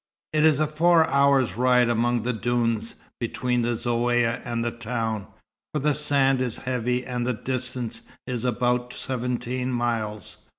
It is a four hours' ride among the dunes, between the Zaouïa and the town, for the sand is heavy and the distance is about seventeen miles.